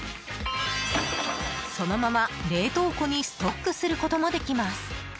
そのまま冷凍庫にストックすることもできます。